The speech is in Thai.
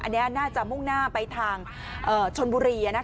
อันนี้อาจจะมุ่งหน้าไปทางชนบูรีอย่างนะคะ